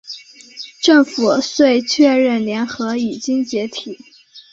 政府遂确认联合已经解体。